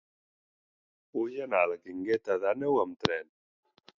Vull anar a la Guingueta d'Àneu amb tren.